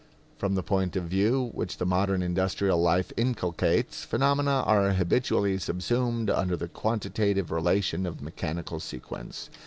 From the point of view which the modern industrial life inculcates, phenomena are habitually subsumed under the quantitative relation of mechanical sequence.